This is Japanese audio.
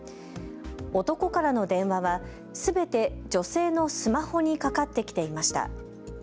男からの電話はすべて女性のスマホにかかってきていました。